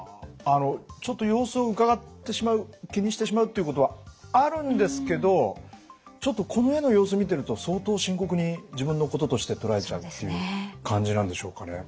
あのちょっと様子をうかがってしまう気にしてしまうっていうことはあるんですけどちょっとこの絵の様子見てると相当深刻に自分のこととして捉えちゃうっていう感じなんでしょうかね。